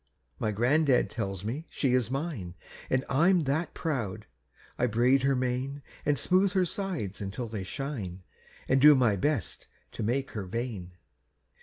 My gran'dad tells me she is mine, An' I'm that proud! I braid her mane, An' smooth her sides until they shine, An' do my best to make her vain.